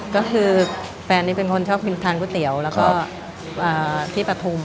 ก็คือแฟนนี้เป็นคนชอบทานก๋วยเตี๋ยวแล้วก็ที่ปฐุม